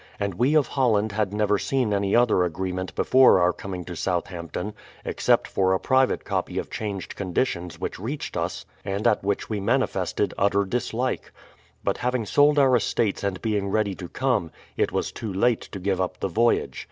And we of Holland had never seen any other agreement before our coming to Southampton, except for a private copy of changed conditions which reached us, and at which we manifested utter dislike; but having sold our estates and being ready to come, it was too late to give up the voyage.